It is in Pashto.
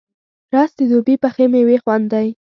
رس د دوبی پخې میوې خوند دی